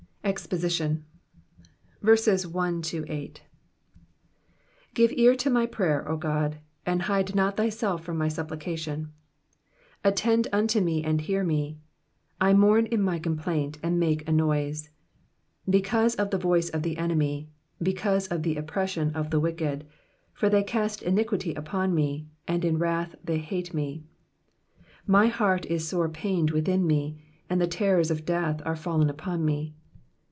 EXPOSITION. GIVE ear to my prayer, O God ; and hide not thyself from my supplication. 2 Attend unto me, and hear me : I mourn in my complaint, and make a noise ; 3 Because of the voice of the enemy, because of the oppression of the wicked : for they cast iniquity upon me, and in wrath they hate me. 4 My heart is sore pained with me : and the terrors of death are fallen upon me.